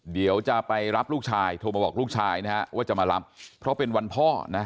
เดี๋ยวจะไปรับลูกชายโทรมาบอกลูกชายนะฮะว่าจะมารับเพราะเป็นวันพ่อนะ